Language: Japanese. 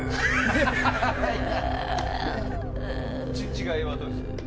違いはどうですか？